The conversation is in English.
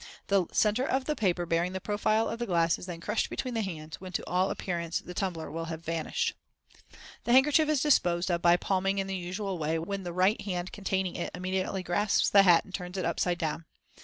The center of the paper bearing the profile of the glass is then crushed between the hands, when to all appearance the tumbler will have vanished. The handkerchief is disposed of by palming in the usual way, when the right hand containing it immediately grasps the hat and turns it upside down.